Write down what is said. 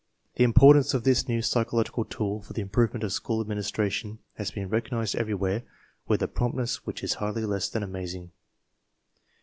The importance of this new psychological tool for the improvement of school administration has been recog nized everywhere with a promptness which is hardly less than amazing.